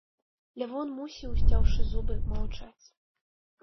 Лявон мусіў, сцяўшы зубы, маўчаць.